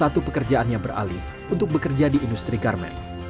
satu persatu pekerjaan yang beralih untuk bekerja di industri garment